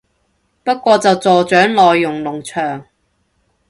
不過就助長內容農場